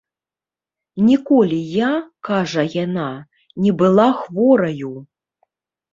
Ніколі я, кажа яна, не была хвораю.